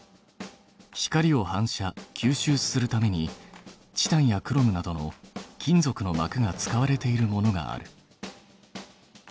光を反射吸収するためにチタンやクロムなどの金属のまくが使われているものがある。